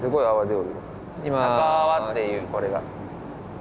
高泡っていうこれが。